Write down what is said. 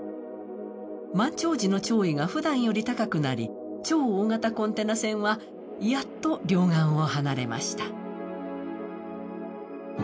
満潮時の潮位がふだんより高くなり超大型コンテナ船はやっと両岸を離れました。